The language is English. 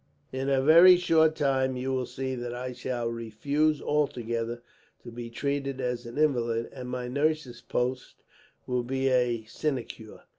In a very short time you will see that I shall refuse altogether to be treated as an invalid, and my nurse's post will be a sinecure."